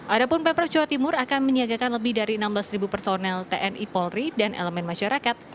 adapun pemprov jawa timur akan menyiagakan lebih dari enam belas personel tni polri dan elemen masyarakat